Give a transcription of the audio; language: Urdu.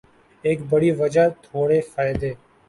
ایک بڑِی وجہ تھوڑے فائدے